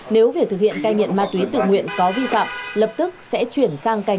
nếu việc thực hiện cai nghiện ma túy tự nguyện